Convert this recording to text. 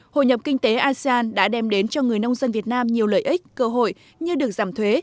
hội nhập kinh tế asean đã đem đến cho người nông dân việt nam nhiều lợi ích cơ hội như được giảm thuế